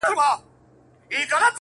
چي يې درې مياشتي د قدرت پر تخت تېرېږي؛